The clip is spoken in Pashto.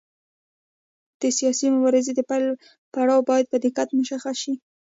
د سیاسي مبارزې د پیل پړاو باید په دقت مشخص شي.